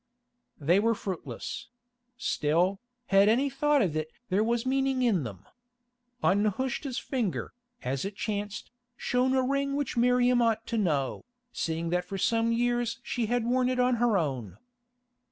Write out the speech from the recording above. They were fruitless; still, had any thought of it there was meaning in them. On Nehushta's finger, as it chanced, shone a ring which Miriam ought to know, seeing that for some years she had worn it on her own.